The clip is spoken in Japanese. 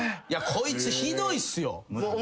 こいつひどいっすよ。